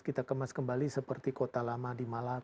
kita kemas kembali seperti kota lama di malang